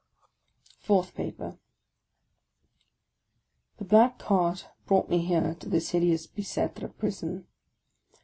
FOURTH PAPER black cart brought me here to this hideous Bicetre J. Prison.